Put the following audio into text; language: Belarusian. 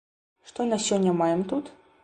Што на сёння маем тут?